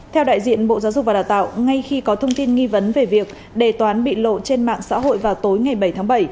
theo đại diện bộ giáo dục và đào tạo ngay khi có thông tin nghi vấn về việc đề toán bị lộ trên mạng xã hội vào tối ngày bảy tháng bảy